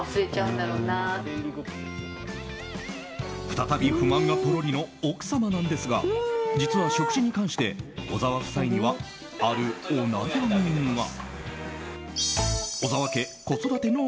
再び不満がポロリの奥様なんですが実は食事に関して小澤夫妻には、あるお悩みが。